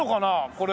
これ。